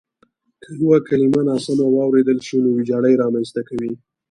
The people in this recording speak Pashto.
که یوه کلیمه ناسمه واورېدل شي نو وېجاړی رامنځته کوي.